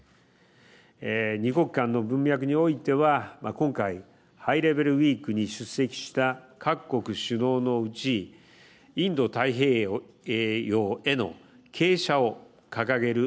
二国間の文脈においては今回ハイレベル・ウィークに出席した各国首脳のうちインド太平洋への傾斜を掲げる